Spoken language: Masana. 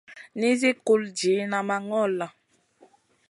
Nizi kul diyna ma ŋola.